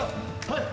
はい。